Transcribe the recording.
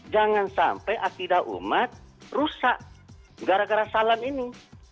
jangan sampai akidah umat rusak gara gara salam ini